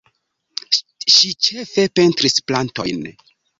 Ŝi ĉefe pentris plantojn.